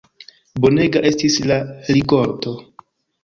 Bonega estis la rikolto.